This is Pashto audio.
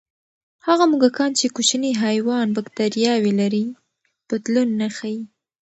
هغه موږکان چې کوچني حیوان بکتریاوې لري، بدلون نه ښيي.